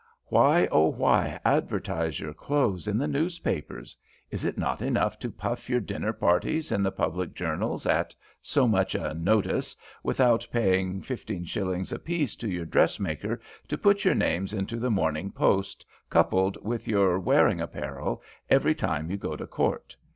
Why, oh why, advertise your clothes in the newspapers? Is it not enough to puff your dinner parties in the public journals at so much a "notice," without paying 15s. apiece to your dressmaker to put your names into the 'Morning Post,' coupled with your wearing apparel, every time you go to Court?